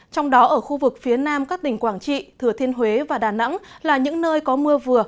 trong đó ở khu vực phía nam các tỉnh quảng trị thừa thiên huế và đà nẵng là những nơi có mưa vừa